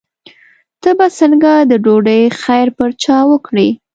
ته به څنګه د ډوډۍ خیر پر چا وکړې.